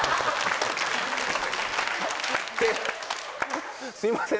ってすいません